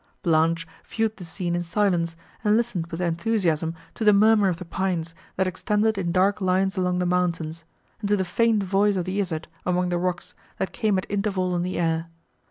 Blanche viewed the scene in silence, and listened with enthusiasm to the murmur of the pines, that extended in dark lines along the mountains, and to the faint voice of the izard, among the rocks, that came at intervals on the air.